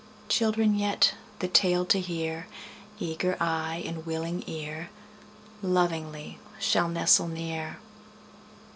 Children yet, the tale to hear, Eager eye and willing ear, Lovingly shall nestle near.